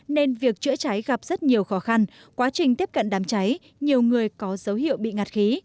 nên việc chữa cháy gặp rất nhiều khó khăn quá trình tiếp cận đám cháy nhiều người có dấu hiệu bị ngạt khí